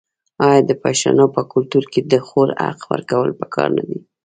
آیا د پښتنو په کلتور کې د خور حق ورکول پکار نه دي؟